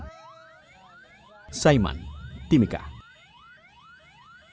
bupati mimika tengah berada di jakarta namun belum bisa dipastikan apakah akan menemui menteri esdm tenaga kerja maupun presiden